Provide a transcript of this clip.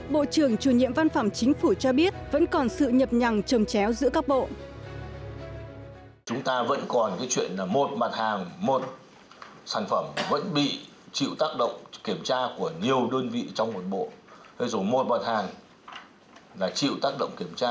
bộ trưởng chủ nhiệm văn phòng chính phủ cho biết vẫn còn sự nhập nhằng trầm chéo giữa các bộ